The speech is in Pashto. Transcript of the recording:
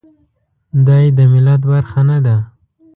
دای د ملت برخه نه ده.